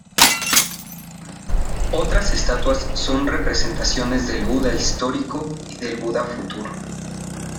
Otras estatuas son representaciones del Buda histórico y del Buda futuro.